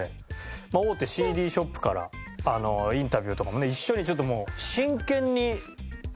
まあ大手ＣＤショップからインタビューとかもね一緒にちょっともう。